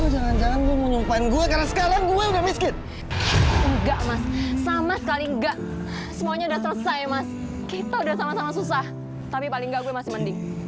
sama sekali enggak semuanya udah selesai mas kita udah sama sama susah tapi paling enggak gue masih